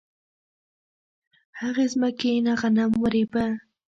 هغې ځمکې نه غنم ورېبه